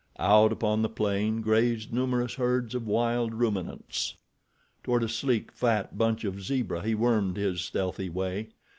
Out upon the plain grazed numerous herds of wild ruminants. Toward a sleek, fat bunch of zebra he wormed his stealthy way.